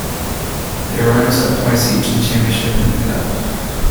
They were Runners up twice each in the championship and in the cup.